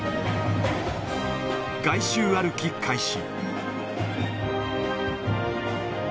外周歩き開始。